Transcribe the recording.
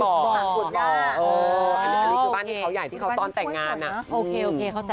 อันนี้คือบ้านที่เขาใหญ่ที่เขาตอนแต่งงานอะ